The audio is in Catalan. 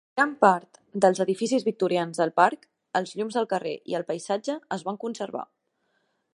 Gran part dels edificis victorians del parc, els llums del carrer i el paisatge es van conservar.